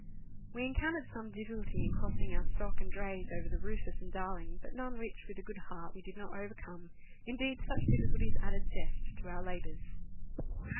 We encountered some difficulty in crossing our stock and drays over the Rufns and Darling, but none which, with a good heart, we did not overcome ; indeed, such difficulties added zest to our labours.